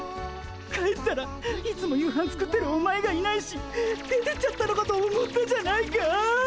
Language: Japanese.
帰ったらいつも夕飯作ってるお前がいないし出てっちゃったのかと思ったじゃないか！